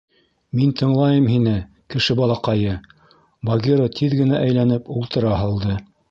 Мин тыңлайым һине, кеше балаҡайы, — Багира тиҙ генә әйләнеп, ултыра һалды.